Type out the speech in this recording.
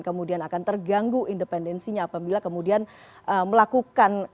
kemudian akan terganggu independensinya apabila kemudian melakukan